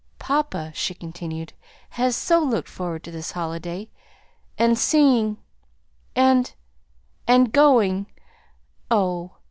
"Papa," she continued, "has so looked forward to this holiday, and seeing and , and going oh!